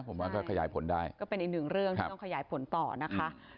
ตอนนี้กำลังจะโดดเนี่ยตอนนี้กำลังจะโดดเนี่ย